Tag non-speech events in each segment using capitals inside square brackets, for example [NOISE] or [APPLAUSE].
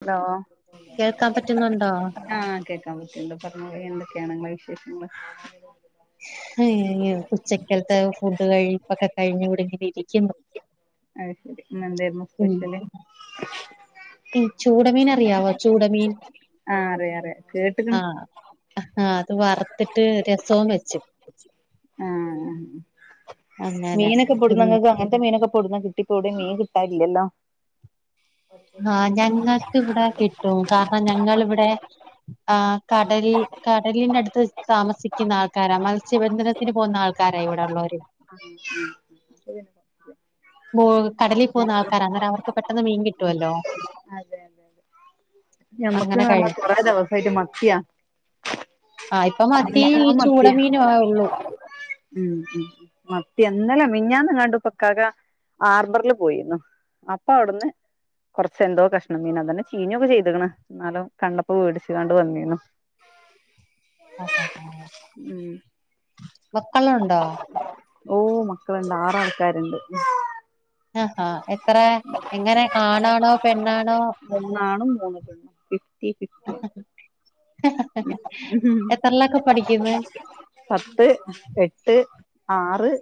Hello കേൾക്കാൻ പറ്റുന്നുണ്ടോ ആഹ് ക്കേക്കാ പറ്റുണ്ടൊ. പറ്ഞ്ഞോളി എന്തൊക്കെയാണ് ഇങ്ങെവിശേഷങ്ങൾ അ ഉച്ചക്കത്തെ ഫുഡ് കഴിപ്പൊക്കെ കഴിഞ്ഞു ഇവിടെ ഇങ്ങനെ ഇരിക്കുന്നു അത് ശരി ഇന്നന്തേലും ഉം സ്പെഷല് [INAUDIBLE] ചൂടമീൻ അറിയാവോ ചൂടമീൻ ആഹ് അറിയ അറിയാ കേട്ടി ആഹ് ആഹ് അത് വറുത്തിട്ട് രസവും വെച്ച ആഹ് അങ്ങനെ മീനൊക്കെ പിന്നെ പെടുന്നങ്ങൾക്ക് അങ്ങൻത്തെ മീനൊക്കെ പൊടുന്ന കിട്ടിപ്പോ ഇവിടെ മീൻ കിട്ടാ ഇല്ലല്ലോ ആഹ് ഞങ്ങൾക്ക് ഇവിടെ കിട്ടും കാരണം ഞങ്ങിവിടെ ആഹ് കടല് കടലിന്റെ അടുത്ത് വെച്ച് താമസിക്കുന്ന ആൾക്കാരാ മത്സ്യബന്ധന ഇത്തിന് പോകുന്ന ആൾക്കാരാ ഇവിടെ ഉള്ളോര് ഉം ഉം കടലി പോകുന്ന ആൾക്കാര അങ്ങനെ അവർക്ക് പെട്ടെന്ന് മീൻ കിട്ട്വല്ലോ അതെ അതെ ഞമ്മക്ക് ന്ന് കഴി പറ്ന്നാ കൊറെ ദെവസായിട്ട് മത്ത്യ ആഹ് ഇപ്പ മത്തി ഈ ചൂട മത്തിയാ മീനും ആഹ് ഒള്ളു ഉം ഉം മത്തി ഇന്നലെ മിനിഞ്ഞാന്ന് എങ്ങാണ്ട് ഇപ്പൊ ക്കാക്ക ആർബറ്ല് പോയിരുന്നു. അപ്പ അവിടുന്ന് കൊറ്ച്ച് എന്തോ കഷ അങ്ങനെ അത് തന്നെ ചീഞ്ഞൊക്കെ ചെയ്യത്ക്ക്ണ്. ഇന്നാലും കണ്ടപ്പോ വേടിച്ക്കാണ്ട് വന്നീന്നു. ആഹ് ആഹ് ആഹ് ഉം വക്കളൊ ഉണ്ടൊ ഓ മക്കളണ്ട് ആറ് ആൾക്കാരുണ്ട് ആഹാ എത്ര എങ്ങനെ ആണാണോ പെണ്ണാണോ മൂന്ന് ആണും മൂന്ന് പെണ്ണും ഫിഫ്റ്റി ഫിഫ്റ്റി [UNINTELLIGIBLE] എത്രയിലൊക്കെ പഠിക്കുന്ന് പത്ത് എട്ട് ആറ്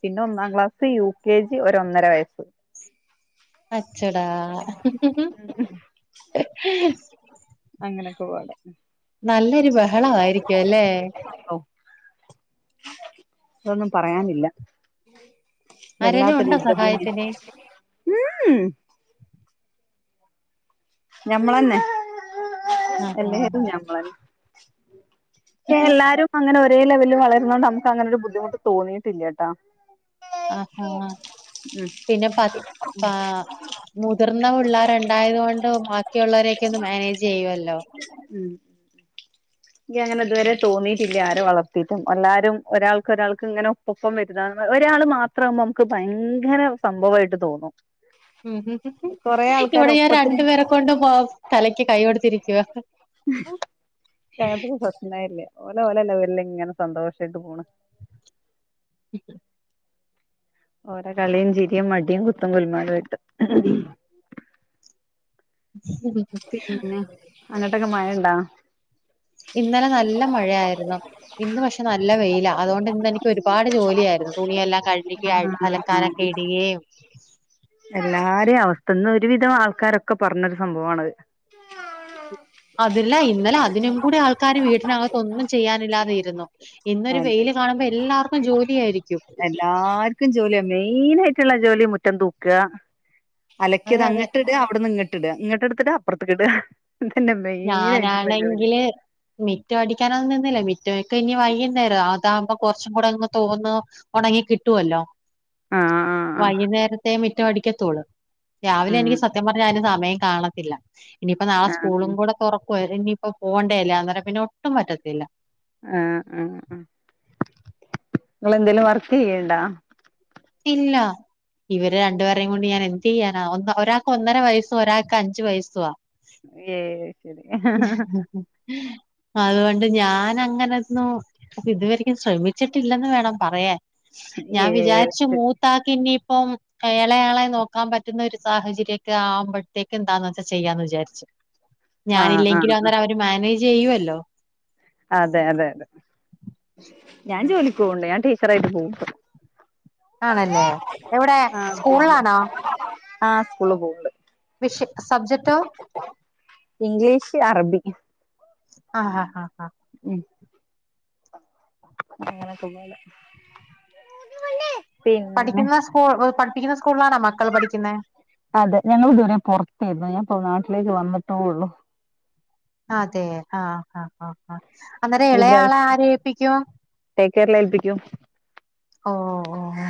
പിന്നെ ഒന്നാം ക്ലാസ് യു കെ ജി ഒരു ഒന്നര വയസ്സ് അഛടാ [INAUDIBLE] അങ്ങനൊക്കെ പാടെ നല്ലൊരു ബഹള ആയിരിക്കും അല്ലേ ഓ അതൊന്നും പറയാനില്ല ആരേലും വല്ലാത്ത ഒരു ഉണ്ടോ യുദ്ധ ഭൂമിയാ സഹായത്തിന് ഉം ഉം ഞമ്മളന്നെ ആഹാ എല്ലേതും ഞമ്മളന്നെ പക്ഷേ എല്ലാരും അങ്ങനെ ഒരേ ലെവലിൽ വളരുന്ന കൊണ്ട് നമുക്ക് അങ്ങനെ ഒരു ബുദ്ധിമുട്ട് തോന്നിയിട്ടില്ലേട്ടാ. ആഹാ പിന്നെ പത്ത് പാ മുതിർന്ന പിള്ളേര് ഉണ്ടായത് കൊണ്ട് ബാക്കിയുള്ളവരെ ഒക്കെ ഒന്ന് മാനേജ് ചെയ്യുമല്ലോ. ഉം എനിക്ക് അങ്ങനെ ഇതുവരെ തോന്നീട്ടില്ല ആരെ വളർത്തിട്ടും എല്ലാരും ഒരാൾക്ക് ഒരാൾക്ക് ഇങ്ങനെ ഒപ്പം വരുന്ന ഒരാള് മാത്ര മാകുമ്പോ നമ്മുക്ക് ഭയങ്കര സംഭവായിട്ട് തോന്നും ഉ ഉ ഉ കൊറേ ആൾക്കാര് ഇവിടെ ഞാൻ ഒപ്പത്തിന് രണ്ടു പേരെ കൊണ്ട് പോ തലക്ക് കൈ കൊടുത്തിരിക്കവാ ഉം ഉം രാത്രി പ്രശ്നമേ ഇല്ലഓൽ ഓലെ ഇങ്ങനെ സന്തോഷായിട്ട് പോണ് [INAUDIBLE] ഓരോ കളിയും ചിരിയും മടിയും കുത്തും കുൽമാലും ആയിട്ട് [UNINTELLIGIBLE] പിന്നെ അങ്ങോട്ടക്കെ മഴ ഉണ്ടോ ഇന്നലെ നല്ല മഴയായിരുന്നു ഇന്ന് പക്ഷെ നല്ല വെയില അതുകൊണ്ട് ഇന്ന് എനിക്ക് ഒരുപാട് ജോലി ആയിരുന്നു തുണിയല്ലാം കഴുക്കി ആഹ് അല ആഹ് എല്ലാരേ അവസ്ഥ ഇന്ന് ഒരുവിധം ആൾക്കാരൊക്കെ പറഞ്ഞ സംഭവാണത് അതല്ല ഇന്നലെ അതിനും കൂടി ആൾക്കാര് വീട്ടിന് അകത്ത് ഒന്നും ചെയ്യാനില്ലാതെ ഇരുന്നു. ഇന്നൊരു അതെ വെയില് കാണുമ്പോ എല്ലാർക്കും ജോലി ആയിരിക്കും. എല്ലാർക്കും ജോലിയ മെയിൻ ആയിട്ടുള്ള ജോലി മുറ്റം തൂക്കുക അതെ അലക്കിയത് അതെ അങ്ങട്ട് ഇടുക അവിടുന്ന് ഇങ്ങട്ട് ഇടുക ഇങ്ങോട്ട എടുത്തിടുക അപ്പറത്തക്ക് ഇടുതിടുക. ഇതന്നെ മെയിൻ ആയിട്ടുള്ള ജോലി ഞാനാണെങ്കില് മിറ്റം അടിക്കാനൊന്നും നിന്നില്ല മിറ്റ ഒക്കെ ഇനി വൈകുന്നേരം അതാകുമ്പോ കൊറച്ചും കൂടെ അങ്ങ് തോന്ന് ഉണങ്ങി കിട്ടുവല്ലോ ആഹ് ആഹ് ആഹ് വൈകുന്നേരത്തെേ മിറ്റം അടിക്കത്തോള്ളു രാവിലെ ഉം എനിക്ക് സത്യം പറഞ്ഞാൽ അതിന് സമയം കാണത്തില്ല ഇനിപ്പ നാളെ ആഹ് സ്കൂളും കൂടെ തുറക്കും ആയോ ഇനിയിപ്പോ പോകേണ്ടതല്ലേ അന്നേരം പിന്നെ ഒട്ടും പറ്റത്തില്ല ആഹ ആ ആ നിങ്ങള് എന്തേലും വർക്ക് ചെയ്യണ്ടോ ഇല്ല ഇവര് രണ്ടുപേരയും കൊണ്ട് ഞാൻ എന്ത് ചെയ്യാനാ ഒരാൾക്ക് ഒന്നര വയസ്സും ഒരാൾക്ക് അഞ്ചു വയസ്സുവാ. ഏയ് ശരിഹാ ഹാ ഹ. അതോണ്ട് ഞാൻ അങ്ങനെന്നും. അപ്പൊ ഇതുവരിക്കും ശ്രമിച്ചിട്ടില്ലന്ന് വേണം പറയാൻ ഞാൻ ഏഹ് വിചാരിച്ചു മൂ താക്കിഞ്ഞിപ്പം. എളേയാളെ നോക്കാൻ പറ്റുന്ന ഒരു സാഹചര്യൊക്കെ ആവുമ്പോഴത്തേക്ക് എന്താന്ന് വെച്ചാ ചെയ്യാന്ന് വിചാരിച്ചു. [INAUDIBLE] ആഹ് ഞാനില്ലെങ്കിലും ആഹ് അന്നേരം അവര് മാനേജ് ചെയ്യുവല്ലോ. അതെ അതെ അതെ ഞാൻ ജോലിക് പോണ് ണ്ട് ഞാൻ ടീച്ചറായിട്ട് പോവും. ആണല്ലേ എവിടെ ആ.. സ്കൂളിലാണോ ആ് സ്കൂള് പോവുണ്ട്, വിഷ സബ്ജക്റ്റോ ഇംഗ്ലീഷ് അറബി. ആ ഹാ ഹാ ആ. ഉം. അങ്ങനെ. [UNINTELLIGIBLE] പഠിക്കുന്ന സ്കൂൾ, പഠിപ്പിക്കുന്ന സ്കൂളിലാണോ മക്കൾ പഠിക്കുന്നെ? അതെ ഞങ്ങൾ ഇതുവരെ പുറത്തായിരുന്നു, ഞാ ഇപ്പ നാട്ടിലേക്ക് വന്നിട്ടേ ഒള്ളു. അതെ ആ ആ. ആ ആ അന്നേരം ഇളയാളെ ആരെ ഏല്പിക്കുവാ? ടേക്ക് കെയറില് ഏൽപ്പിക്കും. ഓ ഓ ഓ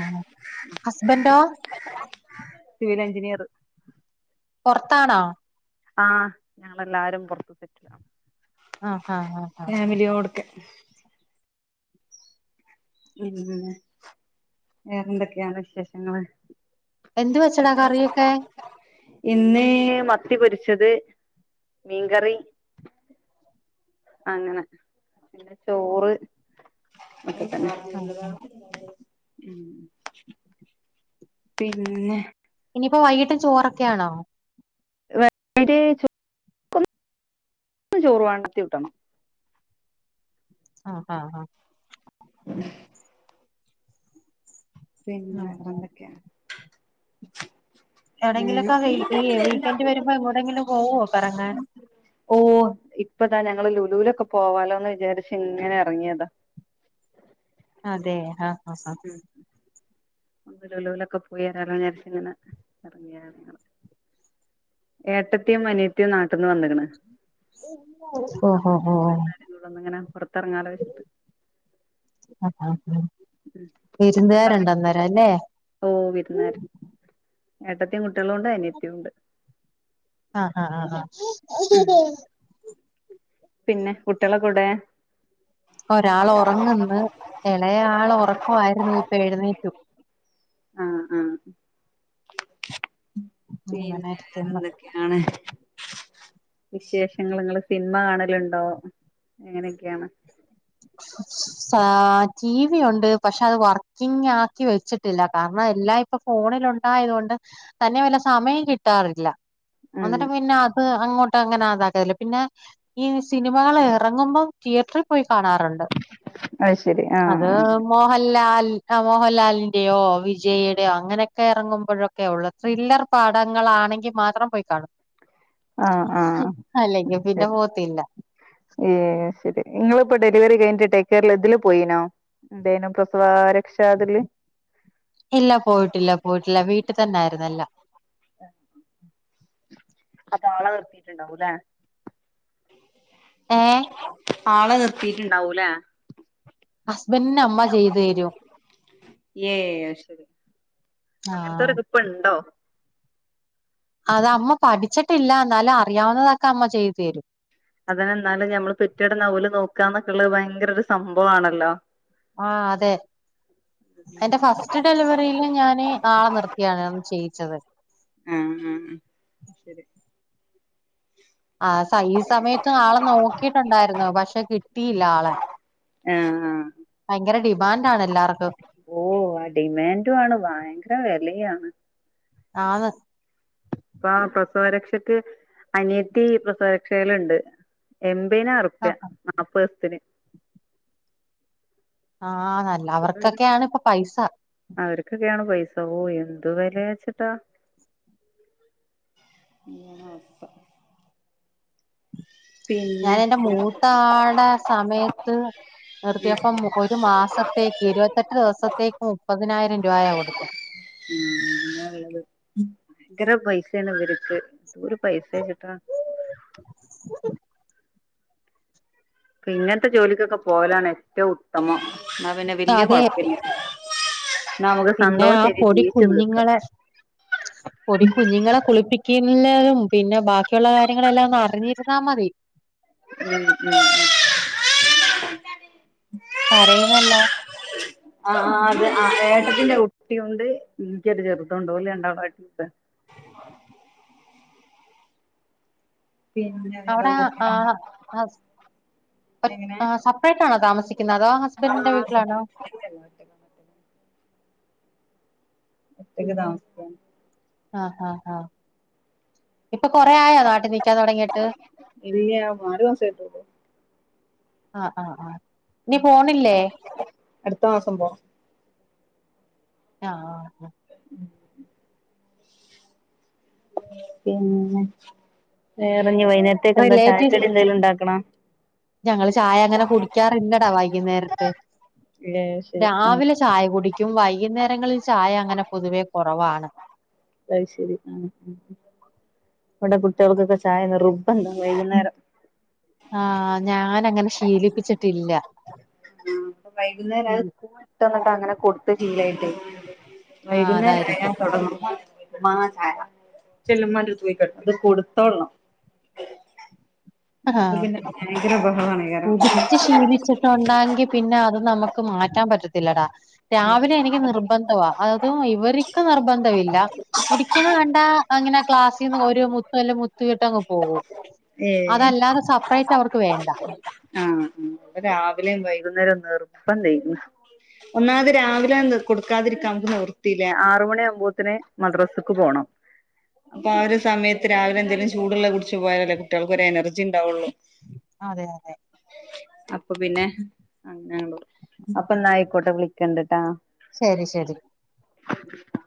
ഹസ്ബന്റോ. Civil engineer. പുറത്താണോ? ആഹ് ഞങ്ങളെല്ലാരും പുറതേയ്ന്നു, ആഹ് ആഹ് ആഹ് ആഹ് ഫാമിലിയോടക്കെ. ഉം വേറെന്തൊക്കെയാണ് വിശേഷങ്ങള്.? എന്ത് വെച്ചടാ കറിയൊക്കെ. ഇന്ന് മത്തി പൊരിച്ചത്, മീൻകറി. അങ്ങനെ ചോറ്. ആ ഉം. പിന്നെ. ഇനിയിപ്പോ വൈകിട്ട് ചോറൊക്കെണോ.? [UNINTELLIGIBLE] ന്ന് ചോറ് വണ്ണത്തി വിട്ടണം. ആ ആഹ ആഹ. [INAUDIBLE] പിന്നെ ഉം വേറെ എന്തൊക്കെ? ഉം എവിടെെങ്കിലൊക്കെ വ ഈ വീക്കെന്ഡറ് വരുമ്പോ എങ്ങോടെങ്കിലും പോവുവോ കറങ്ങാൻ? ഓ ഇപ്പതാ ഞങ്ങള്ൾ ലുലൂലൊക്കെ പോവാലോന്ന് വിചാരിച്ച് ഇങ്ങനെ ഇറങ്ങിയതാ. അതെ ആഹ ആഹ ഹ. ലുലുവിലൊക്കെ പോയിരലൊ വിചാരിച് ഇങ്ങനെ ഇറങ്ങിയതാ. ഏട്ടതിയും അനിയതിയും നാട്ടിൽ ന്ന് വന്ക്ണ്. ഓഹോ അപ്പൊ ഓഹോ ഞൻ എല്ലാ രും കൂടെ പുറത്തിറങ്ങാലൊച്ട്ട്. ആ ആ ആ. അല്ലേ [INAUDIBLE] ഓ വിരുന്നാര് ഏട്ടതിയും കുട്ട്യോളും ഉണ്ട് അനിയത്തിം ഉണ്ട്. ആഹ് ഹഹ ആ. ഉം പിന്നെ കുട്ട്യോളക്കെവിടെ. ഒരാൾ ഉറങ്ങുന്നു, എളേ ആൾ ഉറക്കമായിരുന്നു ഇപ്പ എഴുന്നേറ്റു. ആഹ് ആഹ് അങ്ങനെ പിന്നെ ഇരിക്കുന്നു വേറെന്തൊക്കെയാണ്? വിശേഷങ്ങൾ നിങ്ങള്ൾ സിനിമ കാണലുണ്ടോ? എങ്ങനെയൊക്കെയാണ്? [INAUDIBLE] ടി വി ഉണ്ട് പക്ഷെ അത് വർക്കിങ് ആക്കി വെച്ചിട്ടില്ല, കാരണം എല്ലായ ഇപ്പം ഫോണിൽ ഉണ്ടായത് കൊണ്ട് തന്നെ വല സമയം കിട്ടാറില്ല ഉം എന്നിട്ട് പിന്നെ അത അങ്ങോട്ട് അങ്ങനെ [UNINTELLIGIBLE] പിന്നെ ഈ സിനിമകൾ ഇറങ്ങുമ്പം തിയേറ്ററിൽ പോയി കാണാറുണ്ട് അ ശരി ആ അത് ആ മോഹൻലാൽ മോഹൻലാലിന്റെയോ വിജയയുടെയോ അങ്ങനെയൊക്കെ, ഇറങ്ങുമ്പോഴൊക്കെ ഉള്ളത് ത്രില്ലർ പടങ്ങളൾാണെങ്കിൽ മാത്രം പോയി കാണും. ആഹ് ആഹ് അല്ലെങ്കിൽ ശരി പിന്നെ പോത്തില്ല ഉം ശരി നിങ്ങളിപ്പോ ഡെലിവറി കഴിഞ്ഞട്ട്, ടേക്ക് കെയറിൽ ഇതില് പോയിനോ? ദൈന പ്രസവാ രക്ഷാ ദില് ഇല്ല പോയിട്ടില്ല പോയിട്ടില്ല വീട്ടി തന്നായിരുന്നു എല്ലാം. അപ്പക്കാളെ നിർത്തിട്ടുണ്ടാവുലെ ഏഹ് ആളെ നിർത്തീട്ട്ണ്ടാവൂലെ ഹസ്ബൻന്റെ അമ്മ ചെയ്തേരും ഏഹ് ശരി ആഹ് അങ്ങത്തേരെക്കെ ഇപ്പണ്ടോ അത് അമ്മ പഠിച്ചിട്ടില്ല എന്നാലും അറിയാവുന്നതൊക്കെ അമ്മ ചെയ്തു തരും അതിനെന്നാലും ഞമ്മള് പെറ്റട് ന്നാ ഓല് നോക്കാന്ന് ക്കെളളത്‌ ഭയങ്കര ഒരു സംഭവാണല്ലോ ആഹ് അതെ എന്റെ ഫസ്റ്റ് ഡെലിവറിയില് ഞാൻ ആളെ നിർത്തിയാണ് ചെയ്യിച്ചത്. ഉം ഉം ശരി ആഹ് സ ഈ സമയത്തും ആളെ നോക്കിട്ടുണ്ടായിരുന്നു പക്ഷെ കിട്ടിയില്ല ആളെ എഹ് ആഹ് ഭയങ്കര ഡിമാൻഡ് ആണ് എല്ലാർക്കും ഓഹ് ആഹ് ഡിമാൻഡു ആണ് ഭയങ്കര വെലയാണ് ആന്ന് പ്പോം പ്രസവരക്ഷയ്ക്ക് അനിയത്തി പ്രസവരക്ഷയില്ണ്ട്. എംബിനാര പ്യാ. ആഹ് നാൽപ്പേസ്ത്തിന് ആഹ് അല്ലവർക്കൊക്കെയാണ് ഇപ്പ പൈസ അവര്ക്കൊക്കെയാണ് പൈസ ഓഹ് എന്തു വെലയാച്ചി ട്ടാ [UNINTELLIGIBLE] അവസ്ഥ പിന്നെ ഞാൻ എന്റെ മൂത്ത ആൾടെ സമയത്ത് നിർത്തിയപ്പം ഒരു മാസത്തേക്ക് ഇരുവത്തെട്ട് ദിവസത്തേക്ക് മുപ്പതിനായിരം രുവായാ കൊടുത്തെ ഉം [UNINTELLIGIBLE] ന്നാ ള്ളത് ഭയങ്കര പൈസേണ് ഇവര്ക്ക് എന്തോരു പൈസേച്ചിട്ടാ [INAUDIBLE] പ്പി ങ്ങനത്തെ ജോലിക്കൊക്കെ പോകലാണ് ഏറ്റവും ഉത്തമം. ന്നാ പിന്നെ വെല്യ അതെ കൊഴ്‌പ്പല്ല്യ പിന്നെ ആഹ് ജീവിച്ചു തീർക്കാം പൊടികുഞ്ഞുങ്ങളെ പൊടി കുഞ്ഞുങ്ങളെ കുളിപ്പിക്ക ക്കിന്നതും പിന്നെ ബാക്കിയുള്ള കാര്യങ്ങളെല്ലാം ഒന്ന് അറിഞ്ഞിരുന്നാ മതി ഉം ഉം ഉം [UNINTELLIGIBLE] കരയുന്നല്ലോ [INAUDIBLE] ആഹ് അത് അതെ ഏട്ടത്തിന്റെ കുട്ടിയുണ്ട് ന്റെ ര് ചെറുതുണ്ട് ഓല് രണ്ടാളും അടിയുടാ പിന്നെ അവിടെ വേറെന്തൊക്കെയാണ് എഹ് ഹസ് ഒറ്റ എങ്ങനെ സപ്റൈറ്റാണോ താമസിക്കുന്നത് അതോ ഹസ് ആഹ് സപ്രേറ്റന്നെണ് താമസിക്കുന്നെ ഒറ്റക്ക് താമസിക്കാണ് ആഹ് ആഹ് ആഹ് ഇപ്പോ കൊറേ ആയോ നാട്ടിൽ നിക്കാൻ തൊടങ്ങീട്ട്. ഇല്ല്യ നാല് മാസായിട്ടൊള്ളു. ആഹ് ആഹ് ആഹ് നി പോണില്ലേ അടുത്ത മാസം പോണം ആഹ് ഹ് ഉം [UNINTELLIGIBLE] പിന്നെ വേറെഞ് വൈന്നേരത്തേക്കെന്താ റിലേറ്റീവ്സ് ചായക്കടി എന്തേലും ഉണ്ടാക്കണോ ഞങ്ങള് ചായ അങ്ങനെ കുടിക്കാറില്ലടാ വൈകുന്നേരത്ത് ഏ ശരി ആ രാവിലെ ചായ കുടിക്കും. വൈകുന്നേരങ്ങളിൽ ചായ അങ്ങനെ പൊതുവെ കൊറവാണ് അയ് ശെരി ഉം ഉം ഉം ഇവിടെ കുട്ടികൾക്കൊക്കെ ചായനിർബന്ധ വൈകുന്നേരം ആഹ് ഞാനങ്ങനെ ശീലിപ്പിച്ചിട്ടില്ല [UNINTELLIGIBLE] ട്ടന്നിട്ട് അങ്ങനെ കൊടുത്ത്‌ ശീലായിട്ടേയ് ആഹ് വൈകുന്നേരയാ അതായിരിക്കും തൊടങ്ങും ഉമ്മാ ചായ ചെല്ല് ഇമ്മാന്റെ അടുത്ത് പോയി കെടന്നോ അത് കൊടുത്തോളണം ഹ്ഹാ അല്ലെങ്കി പിന്നെ ഭയങ്കര ബഹളാണേക്കാരം കുടിച് ശീലിച്ചിട്ടുണ്ടാങ്കി പിന്നാ അത് നമ്മക്ക് മാറ്റാൻ പറ്റത്തില്ലടാ രാവിലെ എനിക്ക് നിർബന്ധവാ. അതും ഇവരിക്ക് നിർബന്ധവില്ല കുടിക്കുന്നത് കണ്ടാ അങ്ങനെ ക്ലാസ്സിന്ന് ഒരു മുത്തല്ല മുത്തിയിട്ടങ്ങ് പോകും ഏഹ് അതല്ലാതെ ആഹ് സെപ്പറേറ്റ് അവർക്ക് വേണ്ട അഹ് പ്പം രാവിലെയും വൈകുന്നേരം നിർബന്തേന് ഒന്നാമത് രാവിലെ കൊടുക്കാതിരിക്കാമ്മക്ക് നിവിർത്തിയില്ല. ആറു മണി ആകുമ്പോത്തിന് മദ്രസ്ക്ക് പോണം അപ്പൊ ആ ഒരു സമയത്ത് രാവിലെ എന്തേലും ചൂടുള്ളെ കുടിച്ച് പോയാലല്ലേ കുട്ട്യൾക്കൊരു എനർജി ഉണ്ടാവൊള്ളൂ അതെ അതെ അപ്പൊ പിന്നെ അങ്ങനെള്ളൂ. അപ്പൊന്നാ അയ്ക്കോട്ടെ വിളിക്കണ്ട് ട്ടാ ശരി ശരി [INAUDIBLE]